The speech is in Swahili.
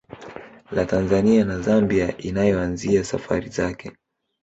La Tanzania na Zambia inayoanzia safari zake